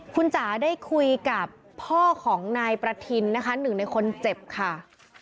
คุณจ๋าได้คุยกับพ่อของนายประทินนะคะหนึ่งในคนเจ็บค่ะ